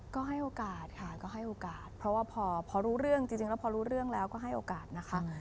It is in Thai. ก็ให้โอกาสค่ะก็ให้โอกาสเพราะว่าพอรู้เรื่องจริงแล้วพอรู้เรื่องแล้วก็ให้โอกาสนะคะ